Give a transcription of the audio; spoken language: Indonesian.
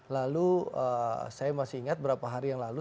lalu saya masih ingat berapa hari yang lalu